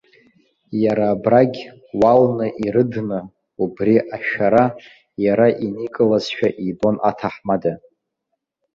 Иара абрагь, уалны ирыдны, убри ашәара иара иникылазшәа ибон аҭаҳмада.